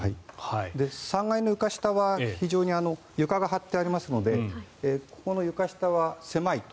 ３階の床下は非常に床が張ってありますのでここの床下は狭いと。